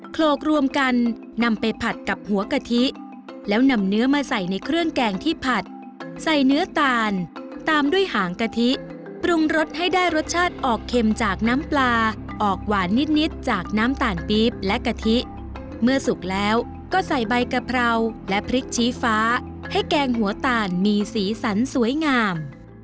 โคลกรวมกันนำไปผัดกับหัวกะทิแล้วนำเนื้อมาใส่ในเครื่องแกงที่ผัดใส่เนื้อตาลตามด้วยหางกะทิปรุงรสให้ได้รสชาติออกเค็มจากน้ำปลาออกหวานนิดจากน้ำตาลปี๊บและกะทิเมื่อสุกแล้วก็ใส่ใบกะเพราและพริกชี้ฟ้าให้แกงหัวตาลมีสีสันสวยงาม